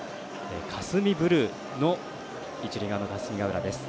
カスミブルーの一塁側の霞ヶ浦です。